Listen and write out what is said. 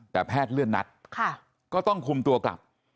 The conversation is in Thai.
แต่แพทย์เลื่อนนัดก็ต้องคุมตัวกลับ